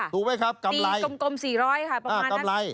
ถูกไหมครับกำไรประมาณนั้นตีกลม๔๐๐ค่ะ